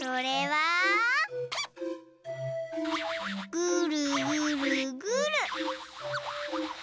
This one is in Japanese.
ぐるぐるぐる。